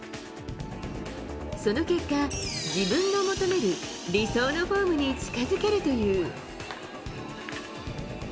その結果、自分の求める理想のフォームに近づけるという。